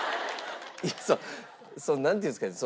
いやなんていうんですかね。